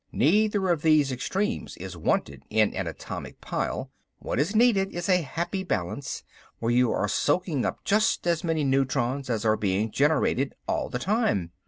Neither of these extremes is wanted in an atomic pile. What is needed is a happy balance where you are soaking up just as many neutrons as are being generated all the time.